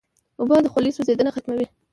اوبه د خولې سوځېدنه ختموي.